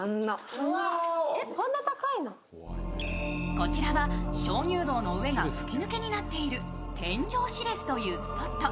こちらは鍾乳洞の上が吹き抜けになっている天井知れずというスポット。